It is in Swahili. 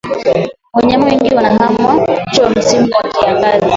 wanyama wengi wanahama mwisho wa msimu wa kiangazi